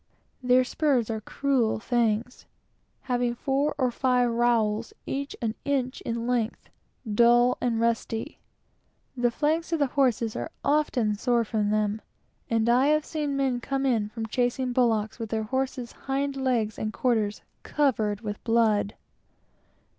Their spurs are cruel things, having four or five rowels, each an inch in length, dull and rusty. The flanks of the horses are often sore from them, and I have seen men come in from chasing bullocks with their horses' hind legs and quarters covered with blood.